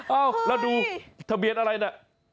เอ้าแล้วดูทะเบียนอะไรน่ะ